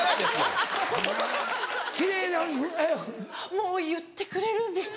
もう言ってくれるんですよ。